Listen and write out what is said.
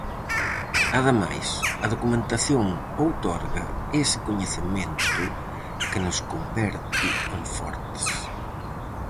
Ademais, a documentación outorga ese coñecemento que nos converte en fortes.